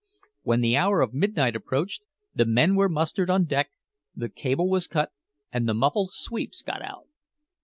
When the hour of midnight approached, the men were mustered on deck, the cable was cut, and the muffled sweeps got out.